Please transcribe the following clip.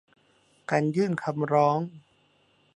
การยื่นคำร้อง